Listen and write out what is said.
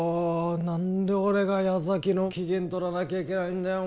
なんで俺が矢崎の機嫌とらなきゃいけないんだよ